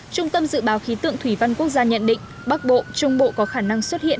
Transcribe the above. trung tâm dự báo khí tượng thủy văn quốc gia nhận định bắc bộ trung bộ có khả năng xuất hiện